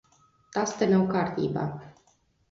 Tas te nav kārtībā.